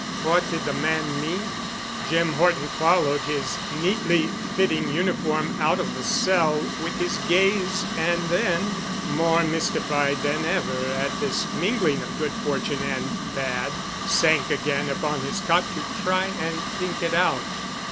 What did the man mean? Jim Horton followed his neatly fitting uniform out of the cell with his gaze and then, more mystified than ever at this mingling of good fortune and bad, sank again upon his cot to try and think it out.